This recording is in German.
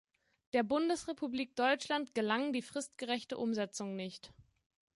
Der Bundesrepublik Deutschland gelang die fristgerechte Umsetzung nicht.